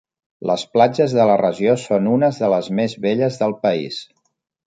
Les platges de la regió són unes de les més belles del país.